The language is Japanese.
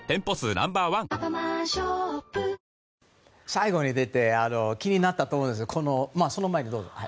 最後に出て気になったと思うんですがその前にどうぞ。